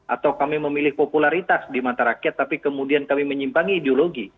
atau kami memilih popularitas di mata rakyat tapi kemudian kami menyimpangi ideologi